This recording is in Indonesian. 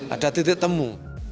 ada titik temu